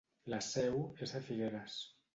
La seu és a Figueres.